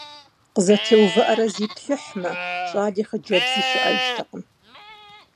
КъызэтеувыӀэрэ заплъыхьмэ - щӀали хъыджэбзи щыӀэжтэкъым.